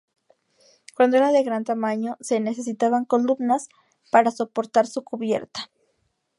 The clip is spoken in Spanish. Cuando era de gran tamaño se necesitaban columnas para soportar su cubierta.